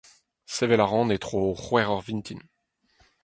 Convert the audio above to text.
Sevel a ran e-tro c'hwec'h eur vintin.